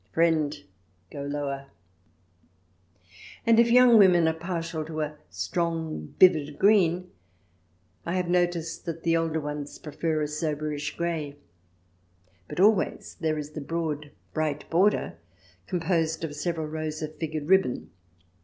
" Friend, go lower !" And if young women are partial to a strong, vivid green, I have noticed that the older ones prefer a soberish grey. But always there is the broad, bright border, composed of several rows of figured ribbon.